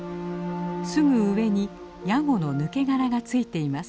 すぐ上にヤゴの抜け殻がついています。